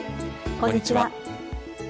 こんにちは。